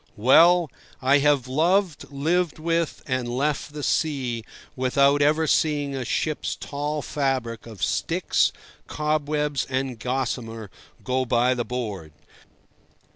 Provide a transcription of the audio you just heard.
Well, I have loved, lived with, and left the sea without ever seeing a ship's tall fabric of sticks, cobwebs and gossamer go by the board.